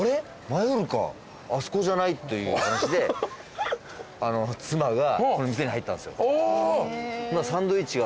マヨルカあそこじゃない？」という話で妻がこの店に入ったんですよ。